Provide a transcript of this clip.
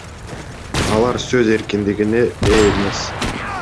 Алар сөз эркиндигине ээ эмес.